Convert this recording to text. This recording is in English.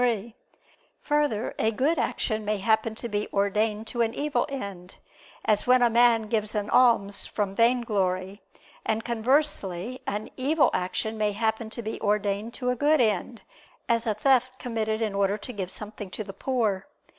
3: Further, a good action may happen to be ordained to an evil end, as when a man gives an alms from vainglory; and conversely, an evil action may happen to be ordained to a good end, as a theft committed in order to give something to the poor.